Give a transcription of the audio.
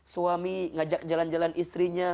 suami ngajak jalan jalan istrinya